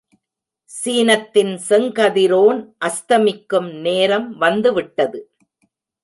சீனத்தின் செங்கதிரோன் அஸ்தமிக்கும் நேரம் வந்து விட்டது.